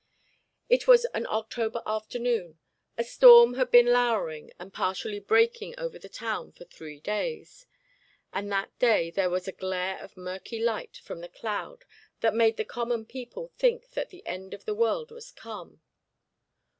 It was an October afternoon. A storm had been lowering and partially breaking over the town for three days, and that day there was a glare of murky light from the cloud that made the common people think that the end of the world was come.